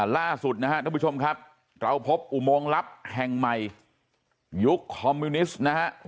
ล่าสุดนะครับท่านผู้ชมครับเราพบอุโมงลับแห่งใหม่ยุคคอมมิวนิสต์นะฮะ